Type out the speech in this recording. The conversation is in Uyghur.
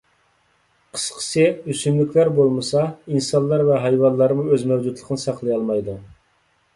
قىسقىسى، ئۆسۈملۈكلەر بولمىسا، ئىنسانلار ۋە ھايۋانلارمۇ ئۆز مەۋجۇتلۇقىنى ساقلىيالمايدۇ.